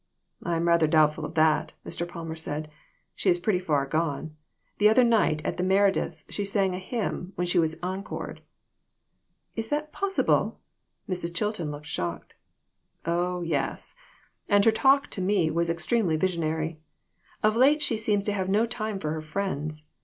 "I am rather doubtful of that," Mr. Palmer said ; "she is pretty far gone. The other night at the Merediths she sang a hymn, when she was encored." " Is that possible ?" Mrs. Chilton looked shocked. " Oh, yes ; and her talk to me was extremely visionary. Of late she seems to have no time for her friends.